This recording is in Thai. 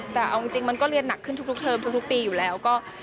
แต่เอาจริงมันก็เรียนหนักขึ้นทุกเทอมทุกปีอยู่แล้วก็